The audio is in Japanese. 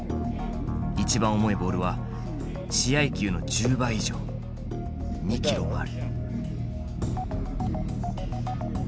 一番重いボールは試合球の１０倍以上２キロもある。